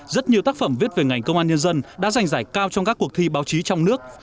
rất nhiều tác phẩm viết về ngành công an nhân dân đã giành giải cao trong các cuộc thi báo chí trong nước